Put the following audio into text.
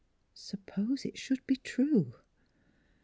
" Suppose it should be true?